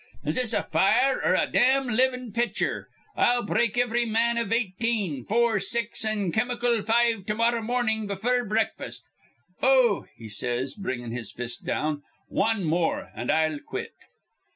Is this a fire 'r a dam livin' pitcher? I'll break ivry man iv eighteen, four, six, an' chem'cal five to morrah mornin' befure breakfast." Oh,' he says, bringin' his fist down, 'wan more, an' I'll quit.'